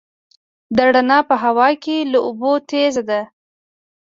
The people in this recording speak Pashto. رڼا په هوا کې له اوبو تېزه ده.